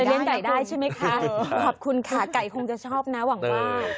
เลี้ยงไก่ได้ใช่ไหมคะขอบคุณค่ะไก่คงจะชอบนะหวังว่า